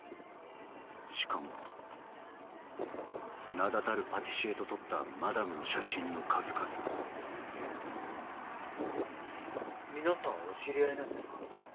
しかも名だたるパティシエと撮ったマダムの写真の数々皆さんお知り合いなんですか？